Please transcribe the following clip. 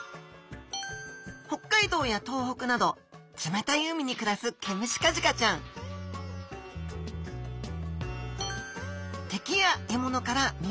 北海道や東北など冷たい海に暮らすケムシカジカちゃん敵や獲物から身を隠すため